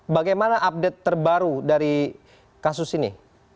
bagaimana update terbaru dari kasus ini